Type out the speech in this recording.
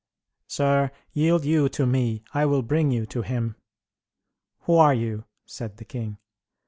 "Sir, yield you to me; I will bring you to him." "Who are you?" said the king.